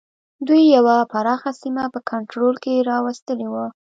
دوی یوه پراخه سیمه په کنټرول کې را وستلې وه.